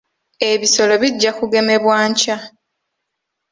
Ebisolo bijja kugemebwa nkya.